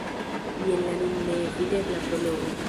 Jen la nun neevitebla Prologo.